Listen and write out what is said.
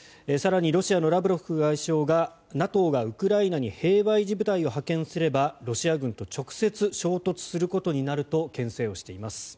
更にロシアのラブロフ外相がＮＡＴＯがウクライナに平和維持部隊を派遣すれば、ロシア軍と直接衝突することになるとけん制をしています。